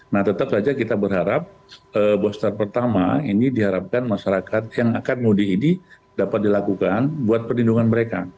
nah tetap saja kita berharap booster pertama ini diharapkan masyarakat yang akan mudik ini dapat dilakukan buat perlindungan mereka